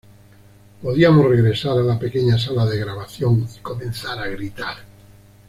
Podíamos regresar a la pequeña sala de grabación y comenzar a gritar.